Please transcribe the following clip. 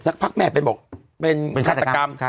สักพักแม่ไปบอกเป็นฆาตกรรม